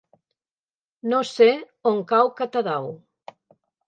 No sé on cau Catadau.